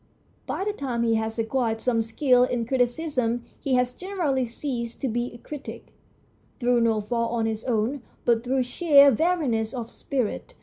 By the time he has acquired some skill in criticism he has generally ceased to be a critic, through no fault of his own, but through sheer weariness of spirit.